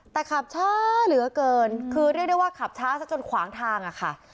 แต่ขับช้าเหลือเกินคือเรียกได้ว่าขับช้าซะจนขวางทางอะค่ะ